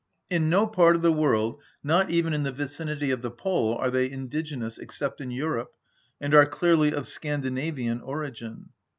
In no part of the world, not even in the vicinity of the pole, are they indigenous, except in Europe, and are clearly of Scandinavian origin.